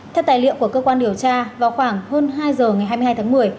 theo tài liệu của cơ quan điều tra vào khoảng hơn hai giờ ngày hai mươi hai tháng một mươi